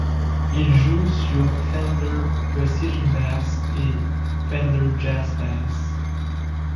Il joue sur Fender Precision Bass et Fender Jazz Bass.